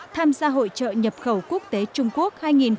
tham gia hội trợ nhập khẩu quốc tế trung quốc hai nghìn một mươi tám